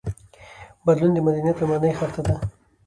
بدلون د مدنيت لومړۍ خښته ده.